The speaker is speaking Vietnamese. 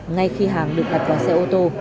ngay khi hàng được đặt vào xe ô tô